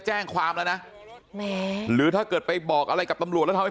แจ้งความแล้วนะแหมหรือถ้าเกิดไปบอกอะไรกับตำรวจแล้วทำให้